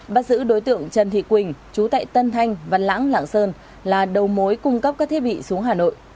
bắt giữ đối tượng trần thị quỳnh chú tại tân thanh văn lãng lạng sơn là đầu mối cung cấp các thiết bị xuống hà nội